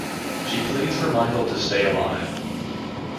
She pleads for Michael to stay alive.